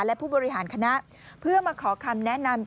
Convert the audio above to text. และผู้บริหารคณะเพื่อมาขอคำแนะนำ